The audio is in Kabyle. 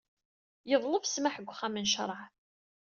Yeḍleb ssmaḥ deg uxxam n ccreɛ.